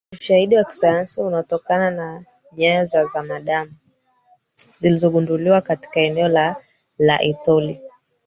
Ushahidi wa kisayansi unatokana na nyayo za zamadamu zilizogunduliwa katika eneo la Laetoli